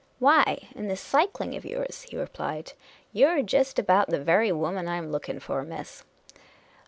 " Why, in this cycling of yours," he replied. " You 're jest about the very woman I 'm looking for, miss.